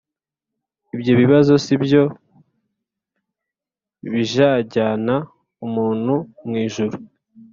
Ibyo bibazo si byo bijajyana umuntu mw’ijuru